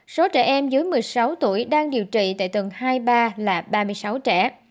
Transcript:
số trẻ em dưới một mươi sáu tuổi đang điều trị tại tầng hai ba là ba mươi sáu trẻ